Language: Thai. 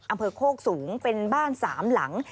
อำเภอโคกสูงเป็นบ้านสามหลัง